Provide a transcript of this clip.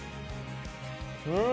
うん。